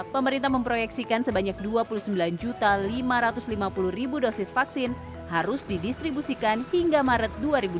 pemerintah memproyeksikan sebanyak dua puluh sembilan lima ratus lima puluh dosis vaksin harus didistribusikan hingga maret dua ribu dua puluh